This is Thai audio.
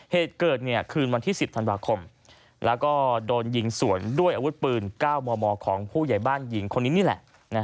เหตุเกิดคืนวันที่๑๐ธันวาคมแล้วก็โดนยิงสวนด้วยอาวุธปืน๙มมของผู้ใหญ่บ้านหญิงคนนี้นี่แหละ